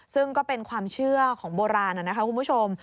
ซึ่งก็เป็นความเชื่อของโบราณนะคะคุณผู้ชม